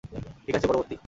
ঠিক আছে, পরবর্তী।